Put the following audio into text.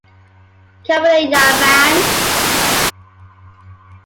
Come on in, young man.